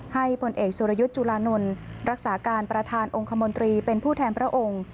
ผลเอกสุรยุทธ์จุลานนท์รักษาการประธานองค์คมนตรีเป็นผู้แทนพระองค์